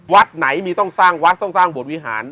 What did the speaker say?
วัดไหนมีต้องสร้างวัดต้องสร้างบทวิหาร